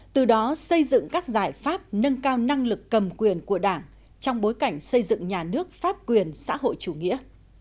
từ đó xây dựng các giải pháp nâng cao năng lực cầm quyền của đảng trong bối cảnh xây dựng nhà nước pháp quyền xã hội chủ nghĩa